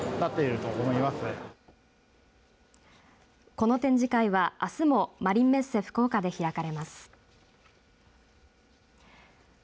この展示会はあすもマリンメッセ福岡で開かれます。